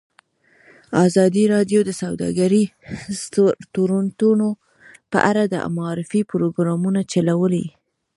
ازادي راډیو د سوداګریز تړونونه په اړه د معارفې پروګرامونه چلولي.